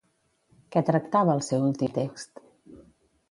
Què tractava el seu últim text?